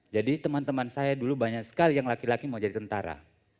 jadi teman teman saya dulu banyak sekali yang laki laki mau jadi tentara